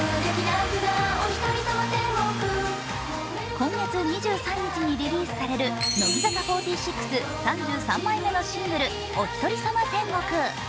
今月２３日にリリースされる乃木坂４６３３枚目のシングル、「おひとりさま天国」。